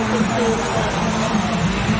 ไข่